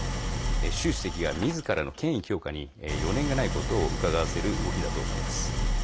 習主席がみずからの権威強化に余念がないことをうかがわせる動きだと思います。